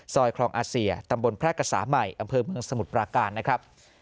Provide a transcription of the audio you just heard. คลองอาเซียตำบลแพร่กษาใหม่อำเภอเมืองสมุทรปราการนะครับ